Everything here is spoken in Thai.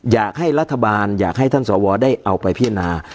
อย่าให้รัฐบาลให้ท่านสวทธิษฐ์ได้เอาไปพินา